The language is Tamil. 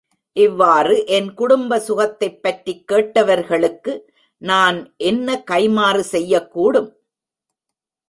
இவ்வாறு என் குடும்ப சுகத்தைப்பற்றிக் கேட்டவர்களுக்கு நான் என்ன கைம்மாறு செய்யக்கூடும்?